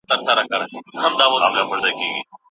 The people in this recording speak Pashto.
اوسنی باور تر پخواني هغه بدل دی.